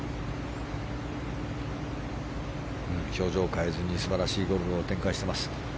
表情を変えずに素晴らしいゴルフを展開しています。